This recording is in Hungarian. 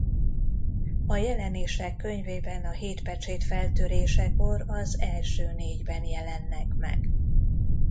A Jelenések könyvében a hét pecsét feltörésekor az első négyben jelennek meg.